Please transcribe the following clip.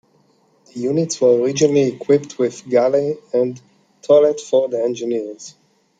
The units were originally equipped with a galley and toilet for the engineer.